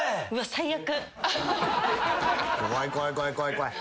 最悪。